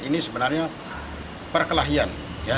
ini sebenarnya perkelahian